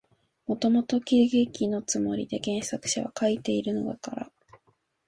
もともと喜劇のつもりで原作者は書いているのだから、